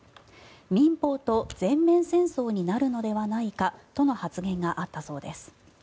民放と全面戦争になるのではないかとの発言があったそうです。